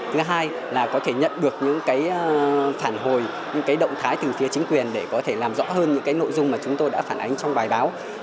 thứ hai là có thể nhận được những phản hồi những động thái từ phía chính quyền để có thể làm rõ hơn những cái nội dung mà chúng tôi đã phản ánh trong bài báo